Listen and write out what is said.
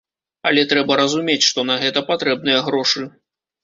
Але трэба разумець, што на гэта патрэбныя грошы.